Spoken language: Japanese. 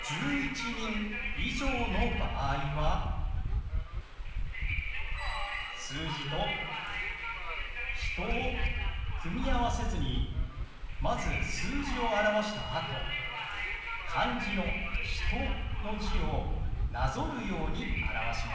１１人以上の場合は数字と「人」を組み合わせずにまず数字を表したあと漢字の「人」の字をなぞるように表します。